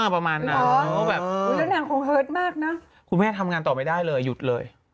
ประมาณนั้นคุณแม่ทำงานต่อไม่ได้เลยหยุดเลย